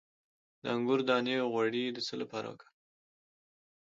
د انګور دانه غوړي د څه لپاره وکاروم؟